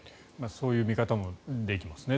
そういう見方もできますね。